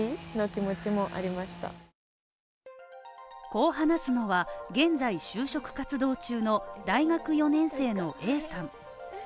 こう話すのは、現在、就職活動中の大学４年生のＡさん。